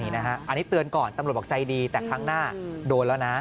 อันนี้เตือนก่อนตำรวจบอกใจดีแต่ครั้งหน้าโดนแล้วนะ